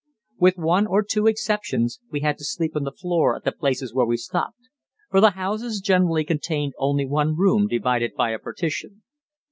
With one or two exceptions we had to sleep on the floor at the places where we stopped; for the houses generally contained only one room divided by a partition.